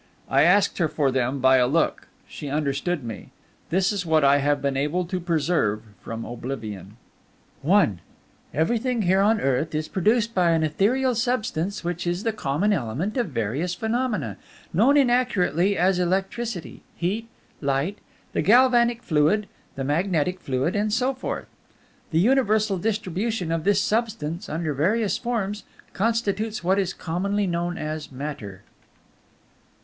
I asked her for them by a look; she understood me. This is what I have been able to preserve from oblivion. I Everything here on earth is produced by an ethereal substance which is the common element of various phenomena, known inaccurately as electricity, heat, light, the galvanic fluid, the magnetic fluid, and so forth. The universal distribution of this substance, under various forms, constitutes what is commonly known as Matter.